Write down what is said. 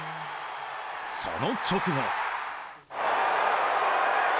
その直後。